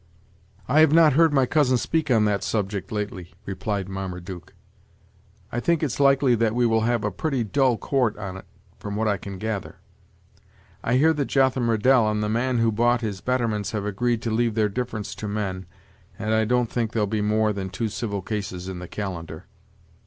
"I have not heard my cousin speak on that subject, lately," replied Marmaduke. "I think it's likely that we will have a pretty dull court on't, from what I can gather. I hear that Jotham Riddel and the man who bought his betterments have agreed to leave their difference to men, and I don't think there'll be more than two civil cases in the calendar."